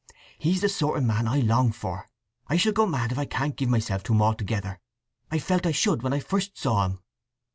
He's the sort of man I long for. I shall go mad if I can't give myself to him altogether! I felt I should when I first saw him!"